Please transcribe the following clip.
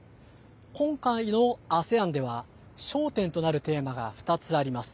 今回のＡＳＥＡＮでは焦点となるテーマが２つあります。